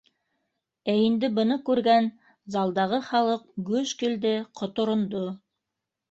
Ә инде быны күргән залдағы халыҡ гөж килде, ҡоторондо